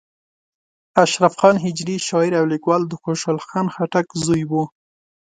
اشرف خان هجري شاعر او لیکوال د خوشحال خان خټک زوی و.